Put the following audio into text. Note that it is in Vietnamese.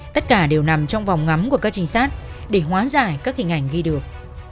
tất cả đều nằm trong vòng ngắm của các trinh sát để hoán giải các hình ảnh ghi được